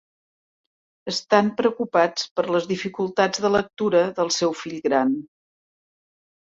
Estan preocupats per les dificultats de lectura del seu fill gran.